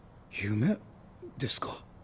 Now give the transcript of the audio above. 夢ですか？